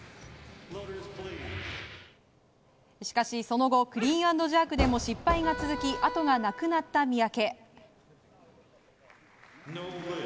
しかしその後クリーン＆ジャークでも失敗が続き後がなくなった三宅。